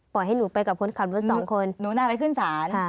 ปล่อยให้หนูไปกับคนขับรถ๒คนหนูน่าไปขึ้นศาลค่ะ